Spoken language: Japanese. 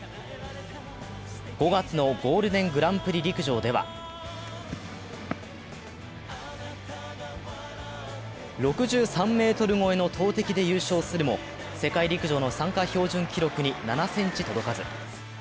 ５月のゴールデングランプリ陸上では６３ｍ超えの投てきで優勝するも世界陸上の参加標準記録に７ｃｍ届かず。